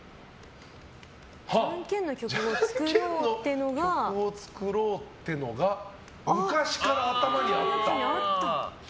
ジャンケンの曲を作ろうってのが昔から頭にあった。